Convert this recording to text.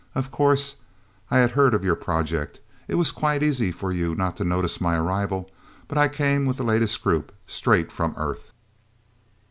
Of course I had heard of your project... It was quite easy for you not to notice my arrival. But I came with the latest group, straight from Earth..."